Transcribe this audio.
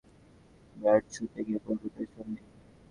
Follow থ্রুতে শামসুরের হাত থেকে ব্যাট ছুটে গিয়ে পড়ল পেছনে দিকে।